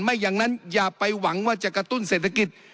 ไม่อย่างนั้นอย่าไปหวังว่าจะกระตุ้นเศรษฐกิจ